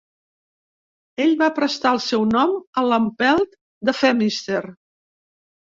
Ell va prestar al seu nom a l'empelt de Phemister.